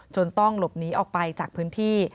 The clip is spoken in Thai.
ต้องหลบหนีออกไปจากพื้นที่